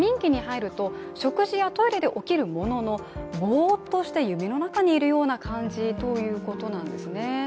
過眠期に入ると食事やトイレで起きるもののぼーっとして夢の中にいるような感じということなんですね